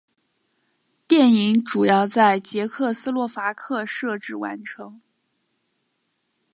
电影主要在捷克斯洛伐克摄制完成。